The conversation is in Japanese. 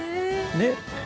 ねっ。